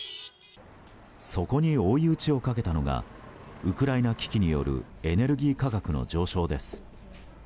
そこに、追い打ちをかけたのがウクライナ危機によるエネルギー価格の上昇です。